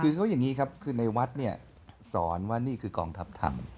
คือเขาอย่างนี้นะครับในวัดสอนว่านี่คือกองทัพธรรม